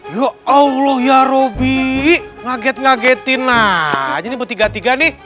ya allah ya robi ngaget ngagetin aja nih bertiga tiga nih